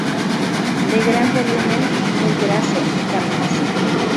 De gran volumen, muy graso y carnoso.